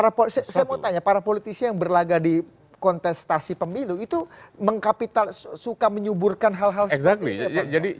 karena saya mau tanya para politisi yang berlagak di kontestasi pemilu itu suka menyuburkan hal hal seperti itu